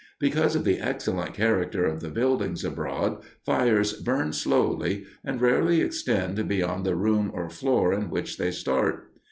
Because of the excellent character of the buildings abroad fires burn slowly, and rarely extend beyond the room or floor in which they start.